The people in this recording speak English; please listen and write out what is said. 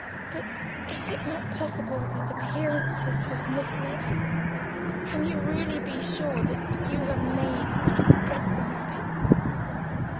But is it not possible that appearances have misled you? Can you really be sure that you have not made some dreadful mistake?"